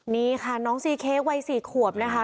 นี่ค่ะน้องซีเค้กวัย๔ขวบนะคะ